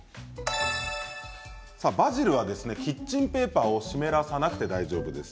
バジルはキッチンペーパーを湿らせなくて大丈夫です。